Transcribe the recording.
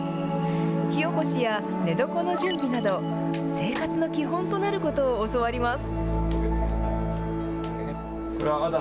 火起こしや寝床の準備など生活の基本となることを教わります。